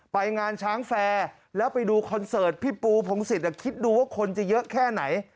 ไปงานช้างแฟร์แล้วไปดูคอนเสิร์ตพี่ปูพงศิษย์คิดดูว่าคนจะเยอะแค่ไหน